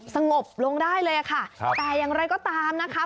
สงบลงได้เลยค่ะแต่อย่างไรก็ตามนะคะ